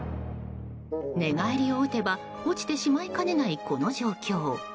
寝返りを打てば落ちてしまいかねないこの状況。